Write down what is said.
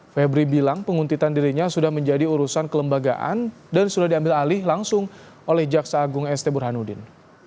febri bilang penguntitan dirinya sudah menjadi urusan kelembagaan dan sudah diambil alih langsung oleh jaksa agung st burhanuddin